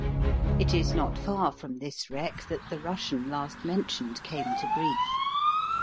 It is not far from this wreck that the Russian last mentioned came to grief.